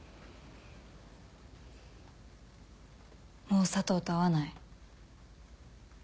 もう佐藤と会わない。